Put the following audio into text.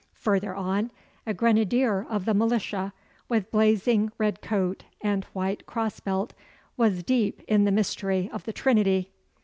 Further on a grenadier of the militia, with blazing red coat and white cross belt, was deep in the mystery of the Trinity.